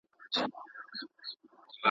زه بې عقل وم چی کسب می خطا کړ